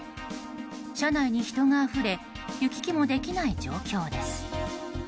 車内に人があふれ行き来もできない状況です。